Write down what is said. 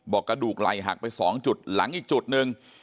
กระดูกไหลหักไป๒จุดหลังอีกจุดหนึ่ง